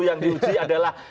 yang diuji adalah